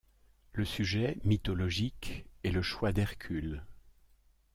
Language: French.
Le sujet, mythologique, est le Choix d'Hercule.